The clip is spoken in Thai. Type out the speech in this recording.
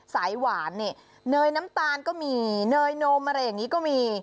สายหวานเนี่ยเนยน้ำตาลก็มีเนยนมอะไรอย่างนี้ก็มี